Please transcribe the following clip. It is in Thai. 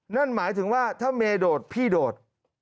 นั่นหมายถึงว่าถ้าเมย์โดดพี่โดด